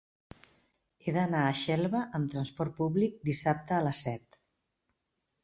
He d'anar a Xelva amb transport públic dissabte a les set.